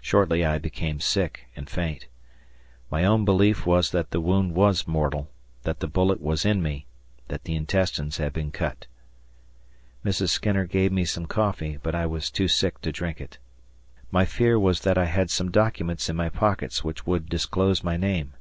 Shortly I became sick and faint. My own belief was that the wound was mortal; that the bullet was in me; that the intestines had been cut. Mrs. Skinner gave me some coffee, but I was too sick to drink it. My fear was that I had some documents in my pockets which would disclose my name.